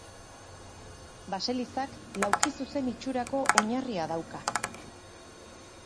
Baselizak laukizuzen itxurako oinarria dauka.